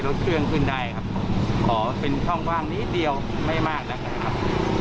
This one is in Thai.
รถเครื่องขึ้นได้ครับขอเป็นช่องว่างนิดเดียวไม่มากแล้วกันนะครับ